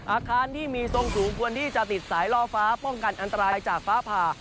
อาคารที่มีทรงสูงควรที่จะติดสายล่อฟ้าป้องกันอันตรายจากฟ้าผ่า